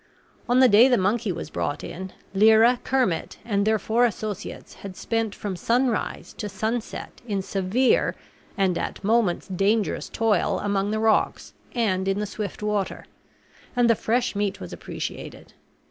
On the day the monkey was brought in Lyra, Kermit, and their four associates had spent from sunrise to sunset in severe and at moments dangerous toil among the rocks and in the swift water, and the fresh meat was appreciated.